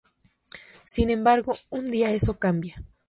Sin embargo, un día eso cambia.